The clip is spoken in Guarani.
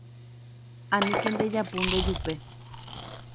Aníke ndejapu ndejupe